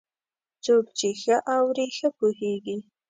څوک چې ښه اوري، ښه پوهېږي.